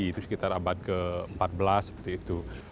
itu sekitar abad ke empat belas seperti itu